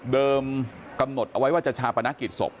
กำหนดเอาไว้ว่าจะชาปนกิจศพ